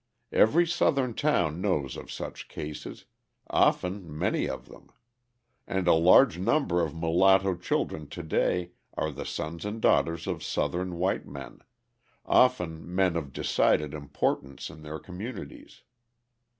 Every Southern town knows of such cases, often many of them: and a large number of mulatto children to day are the sons and daughters of Southern white men, often men of decided importance in their communities.